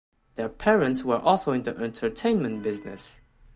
Their parents were also in the entertainment business.